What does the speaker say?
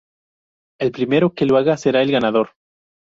El primero que lo haga será el ganador.